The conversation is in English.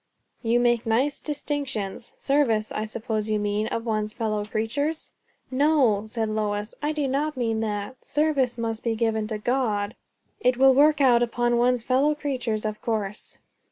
"You make nice distinctions. Service, I suppose you mean, of one's fellow creatures?" "No," said Lois, "I do not mean that. Service must be given to God. It will work out upon one's fellow creatures, of course."